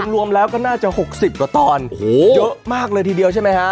รวมแล้วก็น่าจะ๖๐กว่าตอนเยอะมากเลยทีเดียวใช่ไหมฮะ